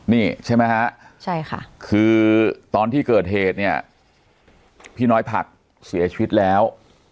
นี่ใช่ไหมฮะใช่ค่ะคือตอนที่เกิดเหตุเนี่ยพี่น้อยผักเสียชีวิตแล้ว